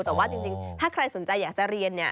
แต่ว่าจริงถ้าใครสนใจอยากจะเรียนเนี่ย